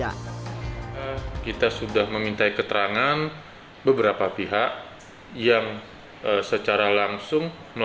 apakah hal ini ada di dalam konten